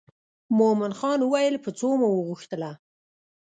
مومن خان وویل په څو مو وغوښتله.